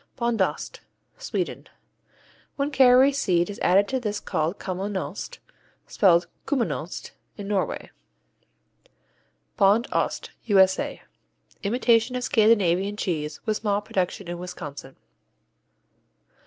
Bondost Sweden When caraway seed is added this is called Kommenost, spelled Kuminost in Norway. Bond Ost U.S.A. Imitation of Scandinavian cheese, with small production in Wisconsin.